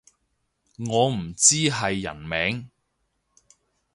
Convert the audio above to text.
我唔知係人名